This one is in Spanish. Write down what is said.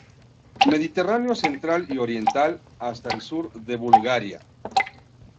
Mediterráneo central y oriental, hasta el sur de Bulgaria.